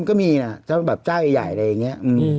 มันก็มีนะแบบจ้าใหญ่อะไรอย่างนี้